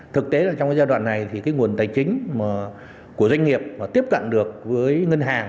thực tế trong giai đoạn này nguồn tài chính của doanh nghiệp tiếp cận được với ngân hàng